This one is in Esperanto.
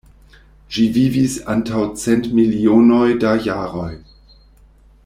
Ĝi vivis antaŭ cent milionoj da jaroj.